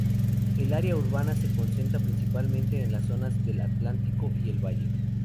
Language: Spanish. El área urbana se concentra principalmente en las zonas del Atlántico y el valle.